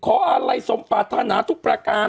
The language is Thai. อะไรสมปรารถนาทุกประการ